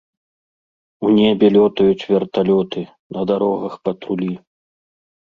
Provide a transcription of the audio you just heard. У небе лётаюць верталёты, на дарогах патрулі.